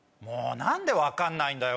何で分かんないんだよ。